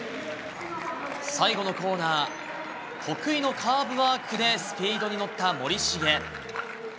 最後のコーナー、得意のカーブワークでスピードに乗った森重。